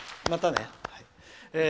またね。